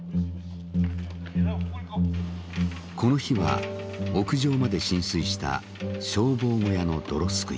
この日は屋上まで浸水した消防小屋の泥すくい。